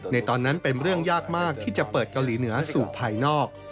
ตอนนั้นเป็นเรื่องยากมากที่จะเปิดเกาหลีเหนือสู่ภายนอก